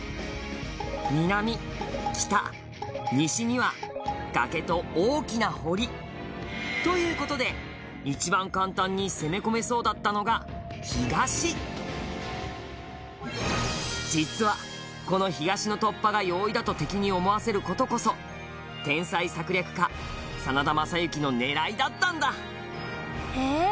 南、北、西には崖と大きな堀という事で、一番簡単に攻め込めそうだったのが、東実は、この東の突破が容易だと敵に思わせる事こそ天才策略家真田昌幸の狙いだったんだへえー！